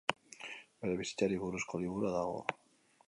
Bere bizitzari buruzko liburua dago.